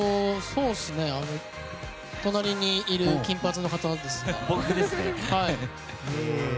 隣にいる金髪の方ですが。